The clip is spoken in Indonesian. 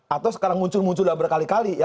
atau sekarang muncul muncul berkali kali ya